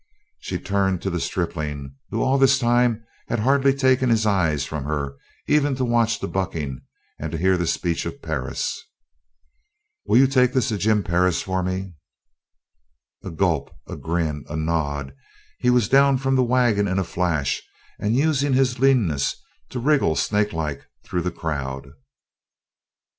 She turned to the stripling, who all this time had hardly taken his eyes from her even to watch the bucking and to hear the speech of Perris. "Will you take this to Jim Perris for me?" A gulp, a grin, a nod, he was down from the wagon in a flash and using his leanness to wriggle snakelike through the crowd.